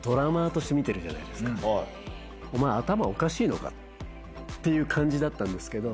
お前頭おかしいのか？っていう感じだったんですけど。